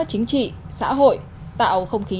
chính trị xã hội tạo không khí